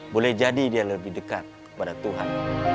boleh jadi dia lebih dekat kepada tuhan